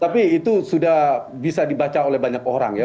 tapi itu sudah bisa dibaca oleh banyak orang ya